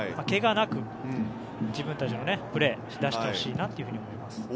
けがなく、自分たちのプレーを出してほしいと思います。